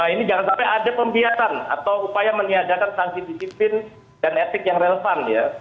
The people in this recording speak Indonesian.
ini jangan sampai ada pembiasan atau upaya meniadakan sanksi disiplin dan etik yang relevan ya